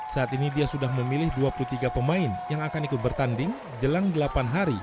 saat ini dia sudah memilih dua puluh tiga pemain yang akan ikut bertanding jelang delapan hari